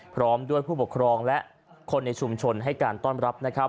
พร้อมด้วยผู้ปกครองและคนในชุมชนให้การต้อนรับนะครับ